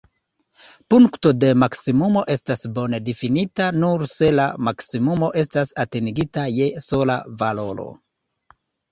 Punkto de maksimumo estas bone-difinita nur se la maksimumo estas atingita je sola valoro.